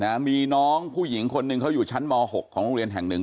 นะมีน้องผู้หญิงคนหนึ่งเขาอยู่ชั้นมหกของโรงเรียนแห่งหนึ่ง